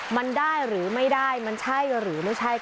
มันได้หรือไม่ได้มันใช่หรือไม่ใช่